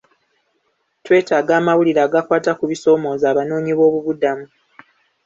Twetaaga amawulire agakwata ku bisoomooza abanoonyiboobubudamu.